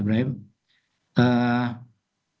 ya terima kasih pak ibrahim